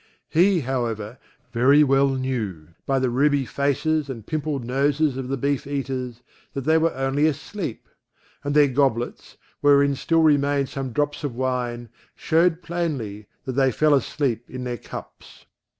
He, however, very well knew, by the ruby faces and pimpled noses of the beef eaters, that they were only asleep; and their goblets, wherein still remained some drops of wine, shewed plainly, that they fell asleep in their cups.